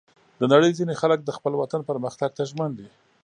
د نړۍ ځینې خلک د خپل وطن پرمختګ ته ژمن دي.